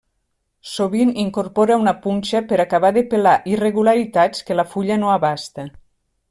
Sovint incorpora una punxa per acabar de pelar irregularitats que la fulla no abasta.